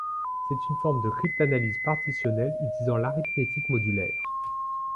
C'est une forme de cryptanalyse partitionnelle utilisant l'arithmétique modulaire.